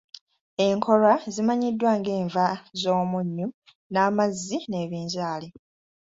Enkolwa zimanyiddwa ng'enva z’omunnyu n’amazzi n’ebinzaali.